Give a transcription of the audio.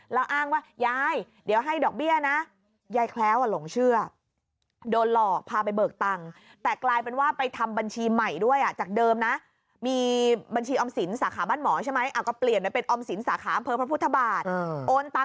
แล้วอ้างว่ายายเดี๋ยวให้ดอกเบี้ยนะ